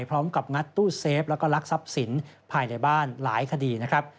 งัดตู้เซฟแล้วก็ลักทรัพย์สินภายในบ้านหลายคดีนะครับ